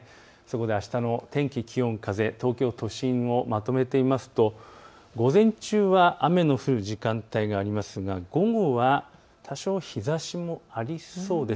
あしたの天気、気温、風、東京都心まとめてみますと午前中は雨の降る時間帯がありますが午後は多少日ざしもありそうです。